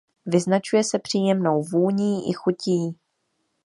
Vyznačuje se příjemnou vůní i chutí.